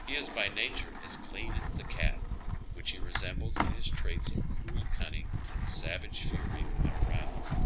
He is by nature as clean as the cat, which he resembles in his traits of cruet cunning and savage fuiy when aroused.